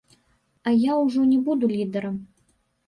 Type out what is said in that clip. А я ўжо не буду лідэрам.